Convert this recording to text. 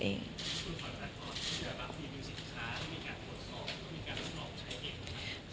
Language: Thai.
คุณขอรับความคิดว่าบางทีมีสินค้ามีการตรวจสอบมีการตรวจสอบใช้เองหรือเปล่า